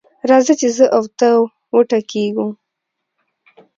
راځه چې زه او ته وټکېږو.